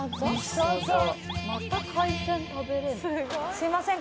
すいません。